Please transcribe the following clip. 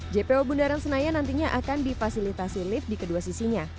jpo bundaran senayan nantinya akan difasilitasi lift di kedua sisinya